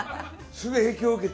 ・すぐ影響を受けて。